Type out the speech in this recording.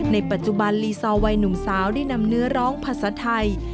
ในปัจจุบันลีซอร์วัยหนุ่มสาวได้นำเนื้อร้องภาษาไทย